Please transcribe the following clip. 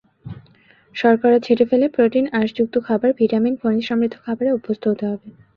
শর্করা ছেঁটে ফেলে প্রোটিন, আঁশযুক্ত খাবার, ভিটামিন, খনিজসমৃদ্ধ খাবারে অভ্যস্ত হতে হবে।